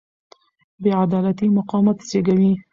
بې عدالتي مقاومت زېږوي